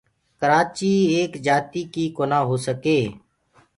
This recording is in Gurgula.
ڪرآچيٚ ايڪ جآتيٚ ڪيٚ ڪونآ هو سڪي